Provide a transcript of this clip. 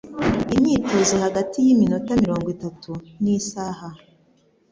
Imyitozo hagati y'iminota mirongo itatu n'isaha